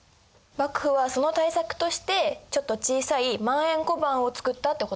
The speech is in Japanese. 幕府はその対策としてちょっと小さい万延小判をつくったってことか。